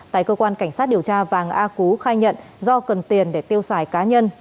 tại cơ quan cảnh sát điều tra vàng a cú khai nhận do cần tiền để tiêu xài cá nhân